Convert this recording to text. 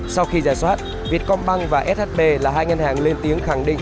sau khi giả soát vietcomban và shb là hai ngân hàng lên tiếng khẳng định